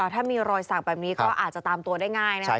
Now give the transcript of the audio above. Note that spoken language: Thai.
ถ้ามีรอยสักแบบนี้ก็อาจจะตามตัวได้ง่ายนะครับ